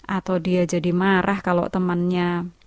atau dia jadi marah kalau temannya